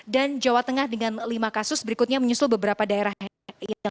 dan jawa tengah dengan lima kasus berikutnya menyusul beberapa daerah yang lain